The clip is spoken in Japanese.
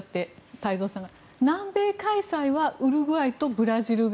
太蔵さんが、南米開催はウルグアイとブラジルが。